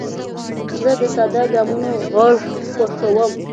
زه د ساده ګامونو غږ خوښوم.